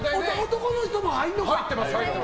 男の人も入るのか。